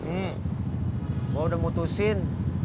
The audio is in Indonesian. gue udah mutusin